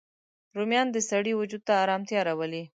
رومیان د سړی وجود ته ارامتیا راولي